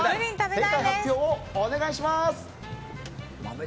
正解発表をお願いします。